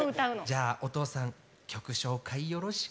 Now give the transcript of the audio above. じゃあお父さん曲紹介よろしく！